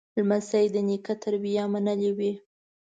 لمسی د نیکه تربیه منلې وي.